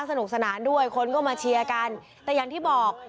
สนุกสนานด้วยคนก็มาเชียร์กันแต่อย่างที่บอก